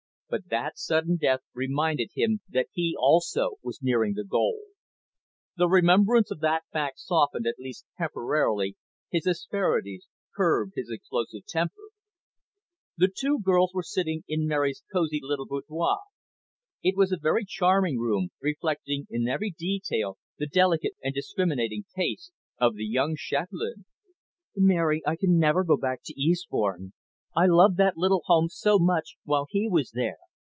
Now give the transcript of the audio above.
But that sudden death reminded him that he also was nearing the goal. The remembrance of that fact softened, at least temporarily, his asperities, curbed his explosive temper. The two girls were sitting in Mary's cosy little boudoir. It was a very charming room, reflecting in every detail the delicate and discriminating taste of the young chatelaine. "Mary, I can never go back to Eastbourne. I loved that little home so much while he was there.